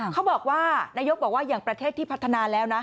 เขาบอกว่านายกบอกว่าอย่างประเทศที่พัฒนาแล้วนะ